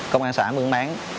công an xã mương máng